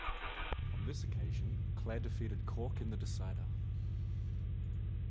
On this occasion Clare defeated Cork in the decider.